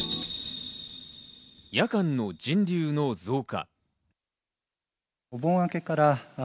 夜間の人流の増加。